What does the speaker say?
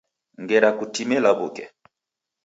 Ngera kutime law'uke.